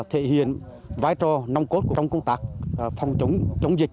thể hiện vai trò nông cốt trong công tác phòng chống dịch như chống dịch